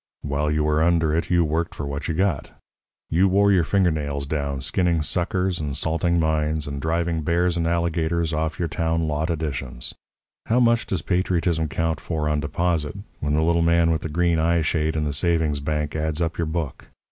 While you were under it you worked for what you got. You wore your finger nails down skinning suckers, and salting mines, and driving bears and alligators off your town lot additions. How much does patriotism count for on deposit when the little man with the green eye shade in the savings bank adds up your book?